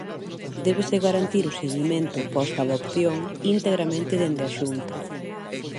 Débese garantir o seguimento postadopción integramente dende a Xunta.